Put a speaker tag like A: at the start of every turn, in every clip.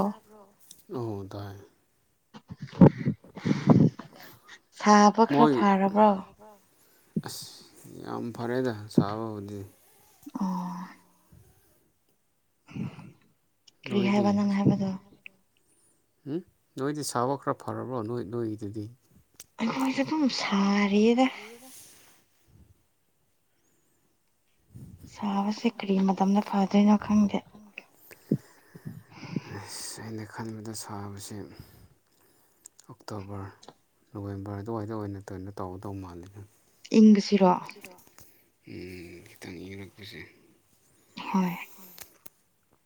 A: ꯇꯥꯕ꯭ꯔꯣ ꯑꯧ ꯇꯥꯢ
B: [unintelligible] ꯁꯥꯕ ꯈꯔꯥ ꯐꯔꯕ꯭ꯔꯣ
A: ꯌꯥꯝ ꯐꯔꯦꯗ ꯁꯥꯕꯕꯨꯗꯤ
B: ꯑꯣ [unintelligible] ꯀ꯭ꯔꯤ ꯍꯥꯏꯕ ꯅꯪꯅ ꯍꯥꯏꯕꯗꯣ
A: ꯍꯨꯝ ꯅꯣꯏꯗꯤ ꯁꯥꯕ ꯈꯔ ꯐꯔꯕ꯭ꯔꯣ ꯅꯣꯏ ꯅꯣꯏꯒꯤꯗꯨꯗꯤ
B: ꯑꯩꯈꯣꯏꯁꯨ ꯑꯗꯨꯝ ꯁꯥꯔꯤꯌꯦꯗ
A: ꯁꯥꯕꯁꯤ ꯀ꯭ꯔꯤ ꯃꯇꯝꯗ ꯐꯗꯣꯏꯅꯣ ꯈꯪꯗꯦ [unintelligible] ꯑꯩꯅ ꯈꯟꯕꯗ ꯁꯥꯕꯁꯤꯝ ꯑꯣꯛꯇꯣꯕ꯭ꯔ ꯅꯣꯕꯦꯝꯕ꯭ꯔ ꯑꯗꯨꯋꯥꯏꯗ ꯑꯣꯏꯅ ꯀꯩꯅꯣ ꯇꯧꯒꯗꯧ ꯃꯥꯜꯂꯦꯗ
B: ꯏꯪꯕꯁꯤꯔꯣ
A: ꯎꯝ ꯈꯤꯇꯪ ꯏꯪꯔꯛꯄꯁꯦ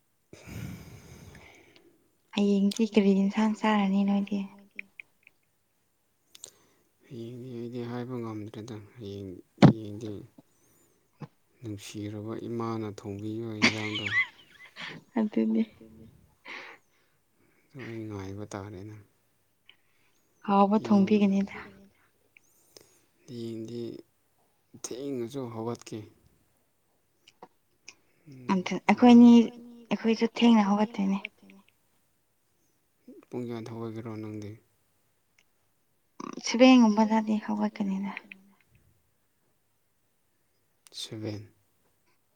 A: [unintelligible]
B: ꯍꯌꯦꯡꯗꯤ ꯀ꯭ꯔꯤ ꯏꯟꯁꯥꯡ ꯆꯥꯔꯅꯤ ꯅꯣꯏꯗꯤ
A: [unintelligible] ꯍꯌꯦꯡꯗꯤ ꯑꯩꯗꯤ ꯍꯥꯏꯕ ꯉꯝꯗ꯭ꯔꯦꯗ ꯍꯌꯦꯡ ꯍꯌꯦꯡꯗꯤ ꯅꯨꯡꯁꯤꯔꯨꯕ ꯏꯃꯥꯅ ꯊꯣꯡꯕꯤꯕ ꯏꯟꯖꯥꯡꯗꯣ ꯑꯗꯨꯅꯤ ꯑꯗꯨ ꯑꯩ ꯉꯥꯏꯕ ꯇꯥꯔꯦꯅ
B: ꯍꯥꯎꯕ ꯊꯣꯡꯕꯤꯒꯅꯤꯗ
A: ꯍꯥꯌꯦꯡꯗꯤ ꯊꯦꯡꯅꯁꯨ ꯍꯧꯒꯠꯀꯦ
B: ꯑꯟꯇ ꯑꯩꯈꯣꯏꯅꯤ ꯑꯩꯈꯣꯏꯁꯨ ꯊꯦꯡꯅ ꯍꯧꯒꯠꯇꯣꯏꯅꯦ
A: ꯄꯨꯡ ꯀꯌꯥꯗ ꯍꯧꯒꯠꯀꯦꯔꯣ ꯅꯪꯗꯤ
B: ꯎꯝ ꯁꯦꯚꯦꯡꯒꯨꯝꯕꯗꯗꯤ ꯍꯧꯒꯠꯀꯅꯤꯗ
A: ꯁꯨꯕꯦꯟ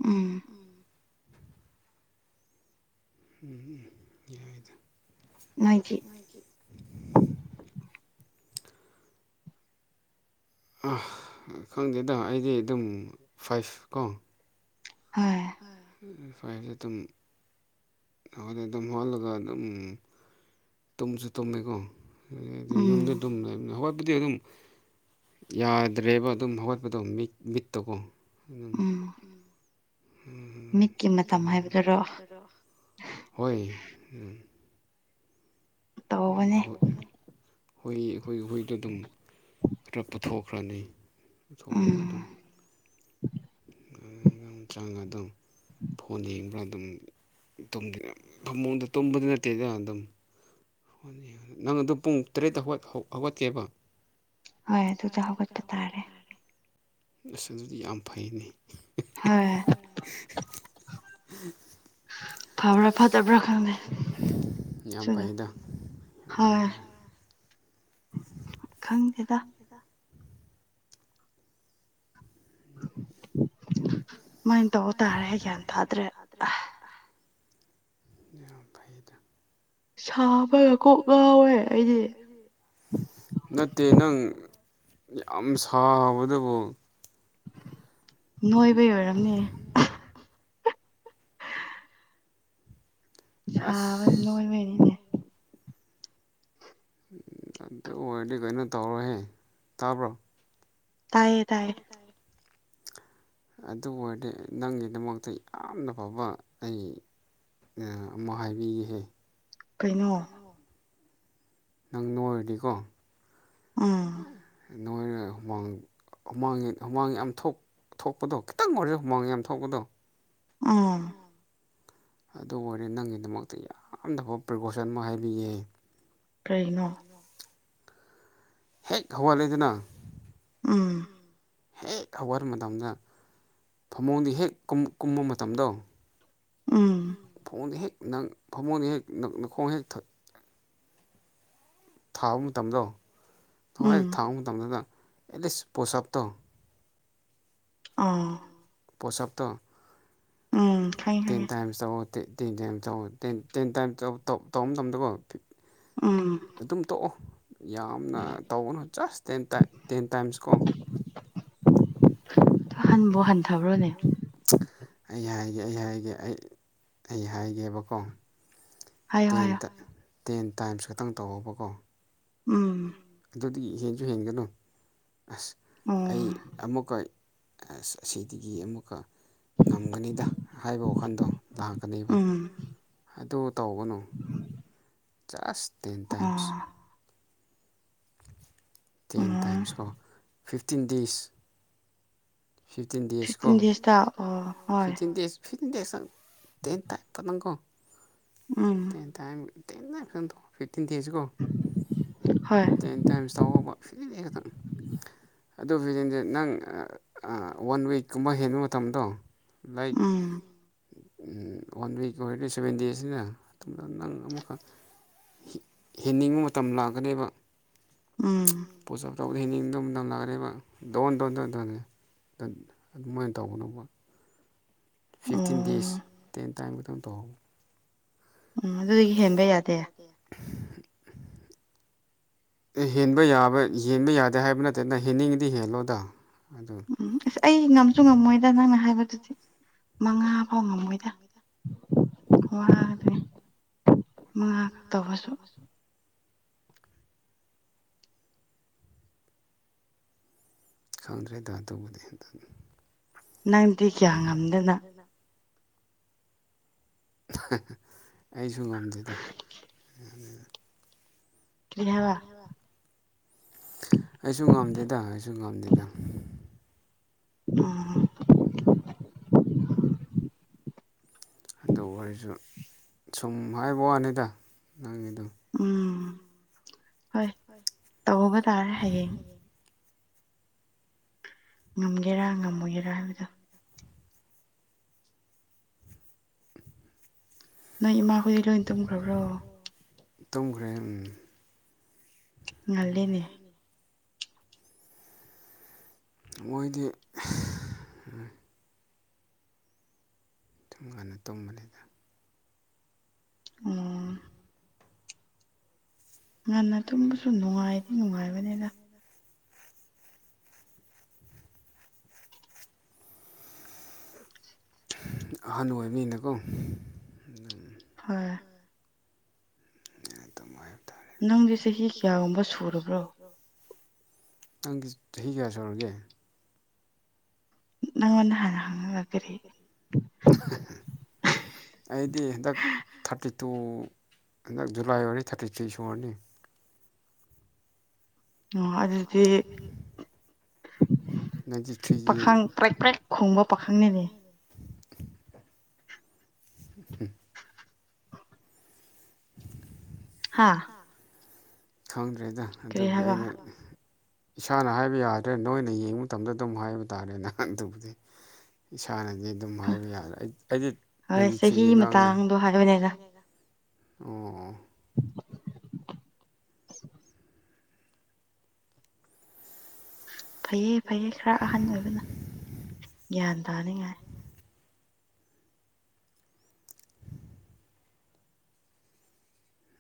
B: ꯎꯝ
A: ꯎꯝ ꯎꯝ ꯌꯥꯏꯗ
B: ꯅꯣꯢꯊꯤ [unintelligible]
A: ꯑꯥ ꯈꯪꯗꯦꯗ ꯑꯩꯗꯤ ꯑꯗꯨꯝ ꯐꯥꯏꯐ ꯀꯣ [unintelligible] ꯐꯥꯏꯐ [unintelligible] ꯑꯗꯨꯗ ꯗꯨꯝ ꯍꯣꯒꯠꯂꯒ ꯗꯨꯝ ꯇꯨꯝꯁꯨ ꯇꯨꯝꯃꯦꯀꯣ [unintelligible] ꯕꯨꯗꯤ ꯗꯨꯝ ꯌꯥꯗ꯭ꯔꯦꯕ ꯗꯨꯝ ꯍꯧꯒꯠꯄꯗꯣ ꯃꯤꯠ ꯃꯤꯠꯇꯣꯀꯣ ꯎꯝ ꯎꯝ ꯇꯨꯝꯕꯩ ꯃꯇꯝ ꯍꯥꯢꯕꯗꯨꯔꯣ ꯍꯣꯏ ꯎꯝ ꯎꯝ ꯍꯣꯢ ꯍꯨꯏ ꯑꯩꯈꯣꯏꯒꯤ ꯍꯨꯏꯗꯣ ꯗꯨꯝ ꯀ꯭ꯂꯕ ꯄꯨꯊꯣꯛꯈ꯭ꯔꯅꯤ ꯁꯣꯛꯑꯒ ꯑꯗꯨꯝ ꯑꯗꯨꯝ ꯆꯪꯉ ꯑꯗꯨꯝ ꯐꯣꯟ ꯌꯦꯡꯕ꯭ꯔꯥ ꯑꯗꯨꯝ ꯇꯨꯝꯒꯤ ꯐꯃꯨꯡꯗ ꯇꯨꯝꯕꯗꯤ ꯅꯠꯇꯦꯗ ꯑꯗꯨꯝ ꯅꯪ ꯑꯗꯨ ꯄꯨꯡ ꯇꯔꯦꯠꯇ ꯍꯧꯒꯠ ꯍꯧꯒꯠꯇꯦꯕ
B: ꯍꯣꯢ ꯑꯗꯨꯗ ꯍꯧꯒꯠꯄ ꯇꯥꯔꯦ
A: ꯑꯁ ꯑꯗꯨꯗꯤ ꯌꯥꯝ ꯐꯩꯅꯦ
B: ꯍꯣꯢ ꯐꯥꯕ꯭ꯔ ꯐꯠ
A: ꯐꯠꯇꯕ꯭ꯔ ꯈꯪꯗꯦ ꯌꯥꯝ ꯐꯩꯗꯥ [inaudible] ꯈꯪꯗꯦꯗ
B: ꯃꯥꯏꯟꯅ ꯇꯧꯋꯣꯗ ꯍꯥꯢ ꯒ꯭ꯌꯥꯟ ꯇꯥꯗ꯭ꯔꯦ
A: ꯌꯥꯝ ꯐꯩꯗ
B: ꯁꯥꯕꯒ ꯀꯣꯛ ꯉꯥꯎꯋꯦ ꯑꯩꯗꯤ
A: ꯅꯠꯇꯦ ꯅꯪ ꯌꯥꯝ ꯁꯥꯕꯗꯕꯨ
B: ꯅꯣꯏꯕꯩ ꯑꯣꯏꯔꯝꯅꯤ ꯁꯥꯕ ꯅꯣꯢꯕꯩꯅꯤꯅꯦ
A: ꯑꯗꯨ ꯑꯣꯏꯔꯗꯤ ꯀꯩꯅꯣ ꯇꯧꯔꯣꯍꯦ ꯇꯥꯕ꯭ꯔꯣ ꯇꯥꯢꯌꯦ ꯇꯥꯏꯌꯦ ꯑꯗꯨ ꯑꯣꯏꯔꯗꯤ ꯅꯪꯒꯤꯗꯃꯛꯇ ꯌꯥꯝꯅ ꯐꯕ ꯑꯩ ꯌꯥ ꯑꯃ ꯍꯥꯏꯕꯤꯒꯦꯍꯦ
B: ꯀꯩꯅꯣ
A: ꯅꯪ ꯅꯣꯏꯔꯗꯤꯀꯣ
B: ꯎꯝ
A: ꯅꯣꯢꯔ ꯍꯨꯃꯥꯡ ꯍꯨꯃꯥꯡ ꯌ ꯍꯨꯃꯥꯡ ꯌꯥꯝ ꯊꯣꯛ ꯊꯣꯛꯄꯗꯣ ꯈꯤꯇꯪ ꯑꯣꯏꯔꯦ ꯍꯨꯃꯥꯡ ꯌꯥꯝ ꯊꯣꯛꯄꯗꯣ
B: ꯎꯝ
A: ꯑꯗꯨ ꯑꯣꯏꯔꯦ ꯅꯪꯒꯤꯗꯃꯛꯇꯤ ꯌꯥꯝꯅꯀꯣ ꯄ꯭ꯔꯤꯀꯣꯁꯟ ꯑꯃ ꯍꯥꯏꯕꯤꯒꯦ
B: ꯀꯩꯅꯣ
A: ꯍꯦꯛ ꯍꯧꯒꯠꯂꯦꯗꯅ
B: ꯎꯝ
A: ꯍꯦꯛ ꯍꯧꯒꯠ ꯃꯇꯝꯗ ꯐꯃꯨꯡꯗꯤ ꯍꯦꯛ ꯀꯨꯝ ꯀꯨꯝꯕ ꯃꯇꯝꯗꯣ ꯐꯃꯨꯡꯗ ꯍꯦꯛ ꯅꯪ ꯐꯃꯨꯡꯗ ꯍꯦꯛ ꯅ ꯅꯈꯣꯡ ꯍꯦꯛ ꯊ ꯊꯥꯕ ꯃꯇꯝꯗꯣ ꯗꯨꯍꯦꯛ ꯊꯥꯡꯕ ꯃꯇꯝꯗꯨꯗ ꯑꯦꯠꯂꯤꯁ ꯄꯣꯁ ꯑꯞꯇꯧ
B: ꯑꯥ
A: ꯄꯣꯁ ꯑꯞꯇꯣ ꯇꯦꯟ ꯇꯥꯏꯝꯁ ꯇꯧꯋꯣ ꯇꯦ ꯇꯦꯟ ꯇꯦꯟ ꯇꯧꯋꯣ ꯇꯦꯟ ꯇꯥꯏꯝ ꯇꯧ ꯇꯧ ꯇꯧ ꯃꯇꯝꯗꯀꯣ ꯑꯗꯨꯝ ꯇꯣꯛꯑꯣ ꯌꯥꯝꯅ ꯇꯧꯒꯅꯨ ꯖꯁ ꯇꯦꯟ ꯇꯥꯏ ꯇꯦꯟ ꯇꯥꯏꯝꯁ ꯀꯣ [inaudible]
B: ꯍꯟꯕꯨ ꯍꯟꯊꯕ꯭ꯔꯣꯅꯦ
A: ꯑꯩ ꯍꯥꯏꯒꯦ ꯑꯩ ꯍꯥꯏꯒꯦ ꯑꯩ ꯑꯩ ꯍꯥꯏꯒꯦꯕꯀꯣ ꯇꯦꯟ ꯇ ꯇꯦꯟ ꯇꯥꯏꯝꯁ ꯈꯛꯇꯪ ꯇꯧꯋꯣꯕꯀꯣ ꯑꯗꯨꯗꯤ ꯍꯦꯟꯁꯨ ꯍꯦꯟꯒꯅꯨ ꯑꯁ ꯑꯩ ꯑꯃꯨꯛꯀ ꯑꯁ ꯑꯁꯤꯗꯤꯒꯤ ꯑꯃꯨꯛꯀ ꯉꯝꯒꯅꯤꯗ ꯍꯥꯏꯕ ꯋꯥꯈꯟꯗꯣ ꯂꯥꯛꯀꯅꯤꯕ ꯑꯗꯣ ꯇꯧꯒꯅꯨ ꯖꯁ ꯇꯦꯟ ꯇꯥꯏꯝꯁ ꯇꯦꯟ ꯇꯥꯏꯝꯁꯀꯣ ꯐꯤꯐꯇꯤꯟ ꯗꯦꯖ ꯐꯤꯐꯇꯤꯟ ꯗꯦꯖ ꯀꯣ ꯐꯤꯞꯇꯤꯟ ꯗꯦꯖ ꯐꯤꯐꯇꯤꯟ ꯗꯦꯛꯁ ꯇꯪ ꯇꯦꯟ ꯇꯥꯏꯝ ꯈꯛꯇꯪꯀꯣ ꯇꯦꯟ ꯇꯥꯏꯝ ꯇꯦꯟ ꯇꯥꯏꯝꯁ ꯈꯛꯇꯪ ꯇꯧ ꯐꯤꯐꯇꯤꯟ ꯗꯦꯖꯀꯣ ꯇꯦꯟ ꯇꯥꯏꯝꯁ ꯇꯧꯋꯣꯕ ꯑꯗꯨꯝ ꯑꯗꯨ ꯐꯤꯖꯦꯟꯁꯦ ꯅꯪ ꯋꯥꯟ ꯋꯤꯛꯀꯨꯝꯕ ꯍꯦꯟꯕ ꯃꯇꯝꯗꯣ
B: ꯎꯝ
A: ꯋꯥꯟ ꯋꯤꯛ ꯑꯣꯏꯔꯗꯤ ꯁꯚꯦꯟ ꯗꯦꯖꯅ ꯅꯪ ꯑꯃꯨꯛꯈꯛ ꯍꯦꯟꯅꯤꯡꯕ ꯃꯇꯝ ꯂꯥꯛꯀꯅꯦꯕ [unintelligible] ꯗ ꯑꯗꯨꯃꯥꯏꯅ ꯇꯧꯒꯅꯣꯀꯣ ꯐꯤꯐꯇꯤꯟ ꯗꯦꯖ ꯇꯦꯟ ꯇꯥꯏꯝꯈꯤꯇꯪ ꯇꯧꯍꯧꯕ
B: ꯎꯝ ꯑꯗꯨꯗꯒꯤ ꯍꯦꯟꯕ ꯌꯥꯗꯦ
A: [inaudible] ꯍꯦꯟꯕ ꯌꯥꯕ ꯍꯦꯟꯕ ꯌꯥꯗꯦ ꯍꯥꯏꯕ ꯅꯠꯇꯦ ꯅ ꯍꯦꯟꯅꯤꯡꯉꯗꯤ ꯍꯦꯜꯂꯣꯗ
B: ꯎꯝ ꯑꯁ ꯑꯩ ꯉꯝꯁꯨ ꯉꯝꯃꯣꯏꯗ ꯅꯪꯅ ꯍꯥꯏꯕꯗꯨꯗꯤ ꯃꯉꯥ ꯐꯥꯎ ꯉꯝꯃꯣꯏꯗ ꯋꯥꯗꯦ ꯃꯉꯥꯒ ꯇꯧꯕꯁꯨ
A: ꯈꯪꯗ꯭ꯔꯦꯗ ꯑꯗꯨꯕꯨꯗꯤ ꯇ
B: ꯅꯪꯗꯤ ꯀꯌꯥ ꯉꯝꯗꯅ
A: ꯍꯥꯍꯥ ꯑꯩꯁꯨ ꯉꯝꯗꯦꯗ
B: ꯀ꯭ꯔꯤꯍꯏꯕꯥ
A: ꯑꯩꯁꯨ ꯉꯝꯗꯦꯗ ꯑꯩꯁꯨ ꯉꯝꯗꯦꯗ
B: ꯑꯥ
A: [inaudible] ꯑꯗꯨ ꯑꯣꯏꯁꯨ ꯁꯨꯝ ꯍꯥꯏꯕ ꯋꯥꯅꯤꯗ
B: ꯎꯝ ꯍꯣꯏ ꯇꯧꯕ ꯇꯥꯔꯦ ꯍꯌꯦꯡ ꯉꯝꯒꯦꯔꯥ ꯉꯝꯃꯣꯏꯒꯦꯔꯥ ꯍꯥꯏꯕꯗꯣ ꯅꯣꯏ ꯏꯃꯥ ꯈꯣꯏꯗꯤ ꯂꯣꯏ ꯇꯨꯝꯈ꯭ꯔꯕ꯭ꯔꯣ
A: ꯇꯨꯝꯈ꯭ꯔꯦ ꯎꯝ
B: ꯉꯜꯂꯦꯅꯦ
A: ꯃꯣꯏꯗꯤ ꯏꯎꯝ ꯑꯗꯨꯝ ꯉꯟꯅ ꯇꯨꯝꯕꯅꯤꯗ
B: ꯑꯣ ꯉꯟꯅ ꯇꯨꯝꯕꯁꯨ ꯅꯨꯡꯉꯥꯏꯗꯤ ꯅꯨꯡꯉꯥꯏꯕꯅꯤꯗ
A: ꯑꯍꯟ ꯑꯣꯏꯕꯅꯤꯅꯀꯣ
B: ꯍꯣꯏ
A: ꯑꯗꯨꯃꯥꯏꯅ
B: ꯅꯪꯗꯤ ꯆꯍꯤ ꯀꯌꯥꯒꯨꯝꯕ ꯁꯨꯔꯕ꯭ꯔꯣ
A: ꯅꯪꯒꯤ ꯆꯍꯤ ꯀꯌꯥ ꯁꯧꯔꯒꯦ
B: ꯅꯪꯉꯣꯟꯗ ꯍꯥꯟꯅ ꯍꯪꯉꯒ ꯀꯔꯤ
A: ꯑꯩꯗꯤ ꯍꯟꯗꯛ ꯊꯥꯔꯇꯤ ꯇꯨ ꯍꯟꯗꯛ ꯖꯨꯂꯥꯏ ꯑꯣꯏ ꯊꯥꯔꯇꯤ ꯊ꯭ꯔꯤ ꯁꯨꯔꯅꯤ
B: ꯑꯣ ꯑꯗꯨꯗꯤ
A: ꯅꯥꯏꯟꯇ ꯊ꯭ꯔꯤꯒꯤ ꯎꯝ
B: ꯍꯥꯥ
A: ꯈꯪꯗ꯭ꯔꯦꯗ ꯑꯗꯨꯕꯨꯗꯤ ꯑꯩꯅ ꯏꯁꯥꯅ ꯍꯥꯏꯕ ꯌꯥꯗ꯭ꯔꯦ ꯅꯣꯏꯅ ꯌꯦꯡꯕ ꯃꯇꯝꯗ ꯑꯗꯨꯝ ꯍꯥꯏꯕ ꯇꯥꯔꯦꯅꯦ ꯑꯗꯨꯕꯨꯗꯤ ꯏꯁꯥꯅ ꯑꯩꯗꯤ ꯗꯨꯝ ꯍꯥꯏꯕ ꯌꯥꯔꯦ ꯑꯩ ꯑꯩꯗꯤ ꯅꯥꯏꯟꯇꯤ ꯊ꯭ꯔꯤꯒꯤ ꯑꯉꯥꯡꯅꯅꯦ [unintelligible] ꯑꯣ
B: [inaudible] ꯐꯩꯌꯦ ꯐꯩꯌꯦ ꯈ꯭ꯔ ꯑꯍꯟ ꯑꯣꯏꯕꯅ ꯒ꯭ꯌꯥꯟ ꯇꯥꯅꯤꯡꯉꯥꯏ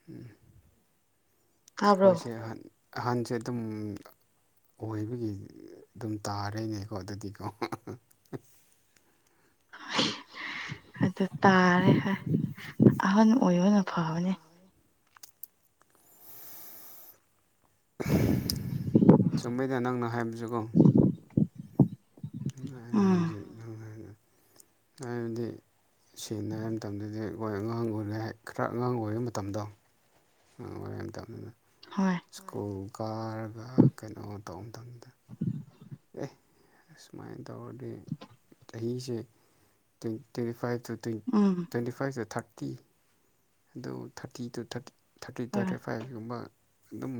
A: ꯎꯝ ꯑꯈꯣꯏ ꯆꯦ ꯑꯍꯟ ꯑꯍꯟꯁꯦ ꯗꯨꯝ ꯑꯣꯏꯕꯒꯤ ꯑꯗꯨꯝ ꯇꯥꯔꯦꯅꯦꯀꯣ ꯑꯗꯨꯗꯤꯀꯣ [unintelligible] [inaudible]
B: ꯑꯗꯨ ꯇꯥꯔꯦ ꯍꯣꯏ ꯑꯍꯟ ꯑꯣꯏꯕꯅ ꯐꯕꯅꯦ
A: ꯆꯨꯝꯃꯦꯗ ꯅꯪꯅ ꯍꯥꯏꯕꯁꯨꯀꯣ [unintelligible] ꯍꯥꯏꯕꯗꯤ ꯁꯤꯡꯅꯔꯝ ꯃꯇꯝꯗꯗꯤ ꯋꯥ ꯌꯥꯝ ꯉꯥꯡꯉꯨꯔꯦ ꯈ꯭ꯔ ꯑꯉꯥꯡ ꯑꯣꯏꯔ ꯃꯇꯝꯗꯣ ꯑꯉꯥꯡ ꯑꯣꯏꯔꯉꯥꯏ ꯃꯇꯝꯅꯤꯅ ꯁ꯭ꯀꯨꯜ ꯀꯥꯔꯒ ꯀꯩꯅꯣ ꯇꯧ ꯃꯇꯝꯗ ꯑꯦ ꯁꯨꯃꯥꯏ ꯇꯧꯔꯗꯤ ꯆꯍꯤꯁꯦ ꯇ꯭ꯋꯦꯟ ꯇ꯭ꯋꯦꯟꯇꯤ ꯐꯥꯏꯚ ꯇꯨ ꯇ꯭ꯋꯦꯟ twenty five two thirty two thirty two thirty thirty thirty ꯐꯥꯏꯚꯀꯨꯝꯕ ꯑꯗꯨꯝ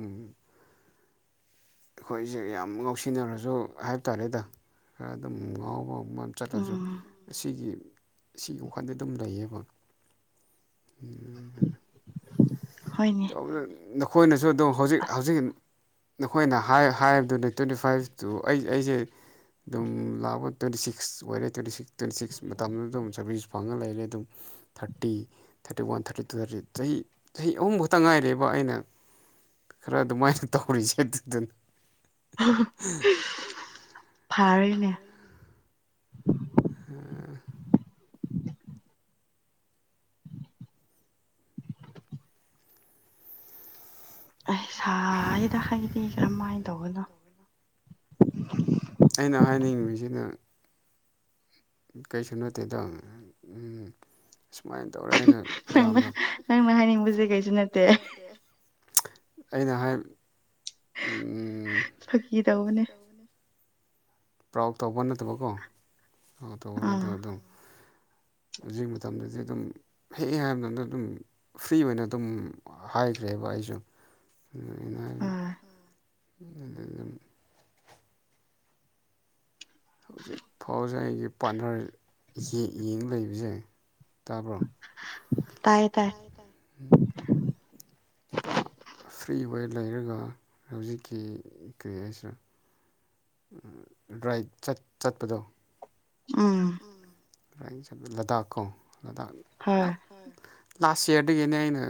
A: ꯑꯩꯈꯣꯏꯁꯦ ꯌꯥꯝ ꯉꯥꯎꯁꯤꯟꯅꯔꯁꯨ ꯍꯥꯏꯕ ꯇꯥꯔꯦꯗ ꯈ꯭ꯔ ꯑꯗꯨꯝ ꯉꯥꯎꯕ ꯆꯠꯂꯖꯨ ꯁꯤꯒꯤ ꯁꯤ ꯋꯥꯈꯜꯗꯤ ꯑꯗꯨꯝ ꯂꯩꯌꯦꯕ ꯇꯧꯗ꯭ꯔꯦ ꯅꯈꯣꯏꯅ ꯄ꯭ꯗꯣ ꯍꯧꯖꯤꯛ ꯍꯧꯖꯤꯛ ꯃꯣꯏꯅ ꯍꯥꯏꯔ ꯍꯥꯏꯔꯗꯨꯅꯦ ꯇ꯭ꯋꯦꯟꯇꯤ ꯐꯥꯏꯚ ꯇꯨ ꯑꯩ ꯑꯩꯖꯦ ꯑꯗꯨꯝ ꯂꯥꯛꯕ ꯇ꯭ꯋꯦꯟꯇꯤ ꯁꯤꯛꯁ ꯑꯣꯏꯔꯦ ꯇ꯭ꯋꯦꯟꯇꯤ ꯁꯤꯛꯁ ꯇ꯭ꯋꯦꯟꯇꯤ ꯁꯤꯛꯁ ꯃꯇꯝꯗ ꯑꯗꯨꯝ ꯁꯥꯥꯔꯚꯤꯁ ꯐꯪꯉ ꯂꯩꯔꯦ ꯑꯗꯨꯝ thirty thirty one thirty two thirty ꯆꯍꯤ ꯆꯍꯤ ꯑꯍꯨꯝꯈꯛꯇ ꯉꯥꯏꯔꯤꯕ ꯑꯩꯅ ꯈꯔ ꯑꯗꯨꯃꯥꯏꯅ ꯇꯧꯔꯤꯁꯦ ꯑꯗꯨꯗ
B: [unintelligible] ꯐꯔꯦꯅꯦ
A: [inaudible]
B: ꯑꯩ ꯁꯥꯏꯌꯦꯗ ꯑꯩꯗꯤ ꯀ꯭ꯔꯝꯃꯥꯏ ꯇꯧꯕꯅꯣ
A: ꯑꯩꯅ ꯍꯥꯏꯅꯤꯡꯔꯤꯁꯤꯅ ꯀꯩꯁꯨ ꯅꯠꯇꯦꯗ ꯎꯝ ꯁꯨ
B: [unintelligible] ꯁꯪꯕ ꯅꯪꯅ ꯍꯥꯏꯅꯤꯡꯕꯁꯦ ꯀꯩꯁꯨ ꯅꯠꯇꯦ
A: ꯑꯩꯅ ꯍꯥꯏ
B: ꯐꯒꯤ ꯇꯧꯕꯅꯦ
A: ꯄ꯭ꯔꯥꯎ ꯇꯧꯕ ꯅꯠꯇꯕꯀꯣ ꯄꯥꯎ ꯇꯧꯕ ꯅꯠꯇꯕ ꯑꯗꯨꯝ ꯍꯧꯖꯤꯛ ꯃꯇꯝꯗꯗꯤ ꯑꯗꯨꯝ ꯍꯦ ꯍꯥꯏꯕ ꯃꯇꯝꯗ ꯑꯗꯨꯝ ꯐ꯭ꯔꯤ ꯑꯣꯏꯅ ꯑꯗꯨꯝ ꯍꯥꯏꯈ꯭ꯔꯦꯕ ꯑꯩꯁꯨ [unintelligible] [unintelligible] ꯍꯧꯖꯤꯛ ꯐꯥꯎꯁꯦ ꯑꯩꯒꯤ ꯄꯥꯔꯠꯅꯔ ꯌꯦꯡ ꯂꯩꯕꯁꯦ ꯇꯥꯕ꯭ꯔꯣ ꯇꯥꯏꯌꯦ ꯇꯥꯏ ꯄ꯭ꯔ ꯐ꯭ꯔꯤ ꯑꯣꯢ ꯂꯩꯔꯒ ꯍꯧꯖꯤꯛꯀꯤ ꯀ꯭ꯔꯤ ꯍꯥꯏꯁꯦꯔꯥ ꯔꯥꯏꯠ ꯆꯠ ꯆꯠꯄꯗꯣ
B: ꯎꯝ
A: ꯥꯔꯥꯏꯠ ꯆꯠꯄ ꯂꯗꯥꯥꯛꯀꯣ ꯂꯗꯥꯛ ꯂꯥꯁ ꯌꯔꯗꯒꯤꯅꯦ ꯑꯩꯅ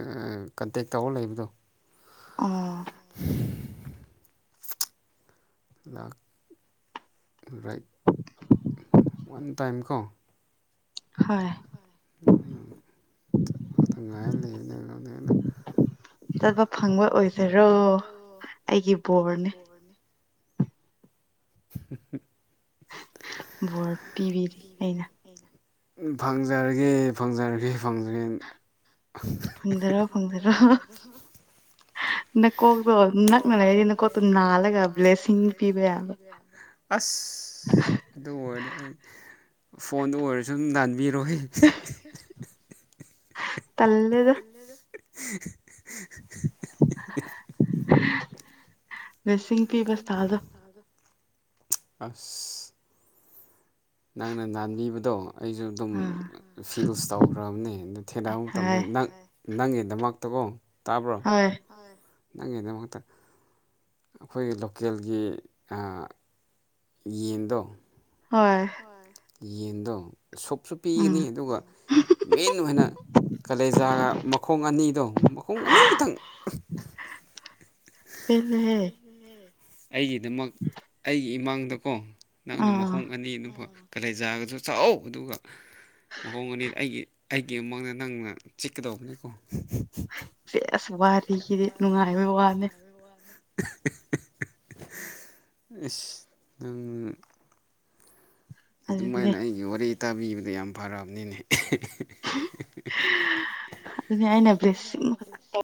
A: ꯀꯟꯇꯦꯛ ꯇꯧꯔ ꯂꯩꯕꯗꯣ
B: ꯑꯣ
A: ꯂꯥ ꯔꯥꯏꯠ ꯋꯥꯟ ꯇꯥꯏꯝ ꯀꯣ
B: ꯍꯣꯏ
A: [unintelligible]
B: ꯆꯠꯄ ꯐꯪꯕ ꯑꯣꯏꯖꯔꯣ ꯑꯩꯒꯤ ꯕꯣꯔꯅꯦ
A: [unintelligible]
B: ꯚꯣꯔ ꯄꯤꯕꯤꯔꯤ ꯑꯩꯅ
A: ꯎꯝ ꯐꯪꯖꯔꯒꯦ ꯐꯪꯖꯔꯒꯦ ꯐꯪꯖꯒꯦ ꯍꯤ ꯍꯤ ꯐꯪꯖꯔꯣ ꯐꯪꯖꯔꯣ ꯀꯣꯛꯇꯣ ꯅꯛꯅ ꯂꯩꯔꯗꯤ ꯅꯀꯣꯛꯇꯣ ꯅꯥꯜꯂꯒ ꯕ꯭ꯂꯦꯁꯤꯡ ꯄꯤꯕ꯭ꯔꯥ ꯑꯁ ꯑꯁ ꯑꯗꯨ ꯑꯣꯏꯔꯗꯤ ꯑꯩ ꯐꯣꯟꯗ ꯑꯣꯏꯔꯖꯨ ꯑꯗꯨꯝ ꯅꯥꯟꯕꯤꯔꯣ ꯍꯦ ꯍꯦ ꯍꯦ ꯍꯦ ꯇꯜꯂꯦ ꯑꯗꯨ
B: ꯕ꯭ꯂꯦꯁꯤꯡ ꯄꯤꯕ ꯁ꯭ꯊꯥꯗꯣ
A: ꯑꯁ ꯅꯪꯅ ꯅꯥꯟꯕꯤꯕꯗꯣ ꯑꯩꯖꯨ ꯑꯗꯨꯝ ꯐꯤꯜꯁ ꯇꯧꯈ꯭ꯔꯕꯅꯦ ꯑꯗꯣ ꯊꯦꯡꯅꯕ ꯃꯇꯝꯗ ꯅꯪ ꯅꯪꯒꯤꯗꯃꯛꯇꯀꯣ ꯇꯥꯕ꯭ꯔꯣ ꯇꯥꯏ ꯅꯪꯒꯤꯗꯃꯛꯇ ꯑꯈꯣꯏꯒꯤ ꯂꯣꯀꯦꯜꯒꯤ ꯑꯥ ꯌꯦꯟꯗꯣ
B: ꯍꯣꯏ
A: ꯌꯦꯟꯗꯣ ꯁꯨꯞꯁꯨ ꯄꯤꯒꯅꯤ ꯑꯗꯨꯒ ꯃꯦꯟ ꯑꯣꯏꯅ ꯀꯂꯦꯖꯥꯒ ꯃꯈꯣꯡ ꯑꯅꯤꯗꯣ ꯃꯈꯣꯡ ꯑꯅꯤ ꯈꯇꯪ
B: ꯄꯦꯜꯂꯦꯍꯦ
A: ꯑꯩꯒꯤꯗꯃꯛ ꯑꯩꯒꯤ ꯏꯃꯥꯡꯗꯀꯣ ꯅꯪꯅ ꯃꯈꯣꯡ ꯑꯅꯤ ꯑꯗꯨ ꯀꯂꯦꯖꯥꯒꯖꯨ ꯆꯥꯛ ꯍꯥꯎꯕ ꯗꯨꯒ ꯃꯈꯣꯡ ꯑꯅꯤ ꯑꯩꯒꯤ ꯑꯩꯒꯤ ꯃꯥꯡꯗ ꯅꯪꯅ ꯆꯤꯛꯀꯗꯧꯕꯅꯦꯀꯣ
B: ꯁꯦꯁ ꯋꯥꯔꯤꯗꯤ ꯅꯨꯡꯉꯥꯏꯕꯩ ꯋꯥꯅꯦ
A: ꯏꯁ ꯅꯪꯖꯤꯖꯨ ꯑꯗꯨꯃꯥꯏꯅ ꯑꯩꯒꯤ ꯋꯥꯔꯤ ꯇꯥꯕꯤꯕꯗꯤ ꯌꯥꯝ ꯐꯔꯕꯅꯤꯅꯦ ꯑꯍꯦ
B: ꯑꯗꯨꯅꯤ ꯑꯩꯅ ꯕ꯭ꯂꯦꯁꯤꯡ ꯐꯖ